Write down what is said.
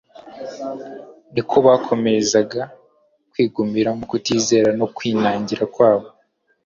niko bakomezaga kwigumira mu kutizera no kwinangira kwabo.